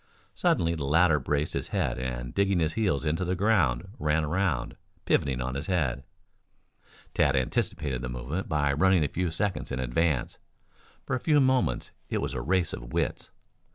Suddenly the latter braced his head and digging his heels into the ground ran around, pivoting on his head. Tad anticipated the movement by running a few seconds in advance. For a few moments it was a race of wits.